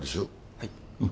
はい。